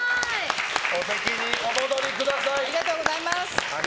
お席にお戻りください。